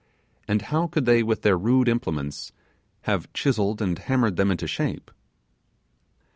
and how could they with their rude implements have chiselled and hammered them into shape?